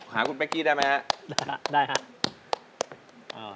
หาคุณแป๊กกี้ได้ไหมครับ